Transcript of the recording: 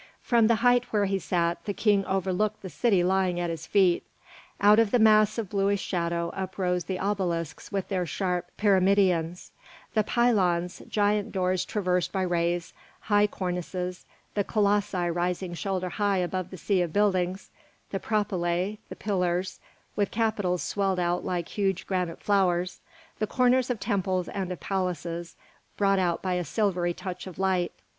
From the height where he sat, the King overlooked the city lying at his feet. Out of the mass of bluish shadow uprose the obelisks with their sharp pyramidions; the pylons, giant doors traversed by rays; high cornices; the colossi rising shoulder high above the sea of buildings; the propylæa; the pillars, with capitals swelled out like huge granite flowers; the corners of temples and of palaces, brought out by a silvery touch of light.